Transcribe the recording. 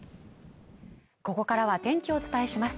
ここからは天気をお伝えします